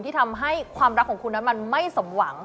ที่ทำให้ความรักของคุณนั้นมันไม่สมหวัง